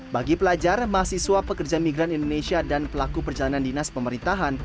bagi pelajar mahasiswa pekerja migran indonesia dan pelaku perjalanan dinas pemerintahan